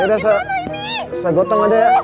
dia saya gotong aja ya